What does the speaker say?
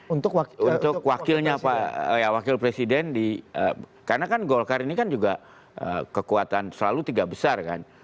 untuk wakilnya pak ya wakil presiden karena kan golkar ini kan juga kekuatan selalu tiga besar kan